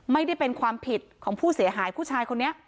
ไม่ได้เป็นความผิดของผู้เสียหายผู้ชายคนนี้